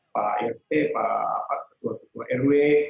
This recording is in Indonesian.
pak rt pak ketua ketua rw